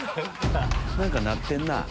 何か鳴ってんなぁ。